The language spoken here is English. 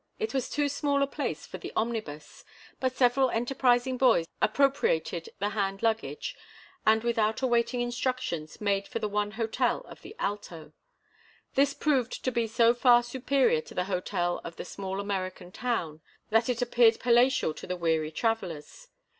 It was too small a place for the omnibus, but several enterprising boys appropriated the hand luggage and, without awaiting instructions, made for the one hotel of the Alto. This proved to be so far superior to the hotel of the small American town that it appeared palatial to the weary travellers.